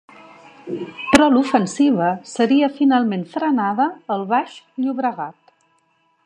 Però l'ofensiva seria finalment frenada al Baix Llobregat.